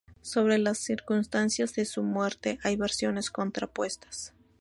Sobre las circunstancias de su muerte hay versiones contrapuestas.